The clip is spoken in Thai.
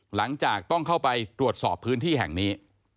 หลังจากต้องเข้าไปตรวจสอบพื้นที่แห่งนี้